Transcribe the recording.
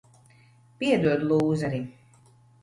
Piedod, lūzeri.